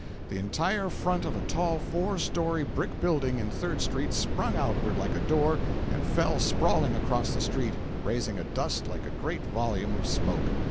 The entire front of a tall four story brick building in Third street sprung outward like a door and fell sprawling across the street, raising a dust like a great volume of smoke!